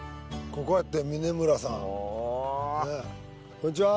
こんにちは。